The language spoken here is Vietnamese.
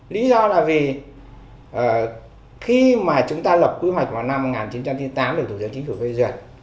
lý do là vì khi mà chúng ta lập quy hoạch vào năm một nghìn chín trăm chín mươi tám được thủ tướng chính phủ phê duyệt